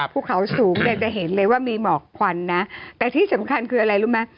พูดข้าวสูงจะเห็นเลยว่ามีหมอกควันนะแต่ที่สำคัญคืออะไรรู้มั้ย